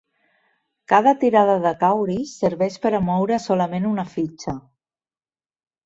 Cada tirada de cauris serveix per a moure solament una fitxa.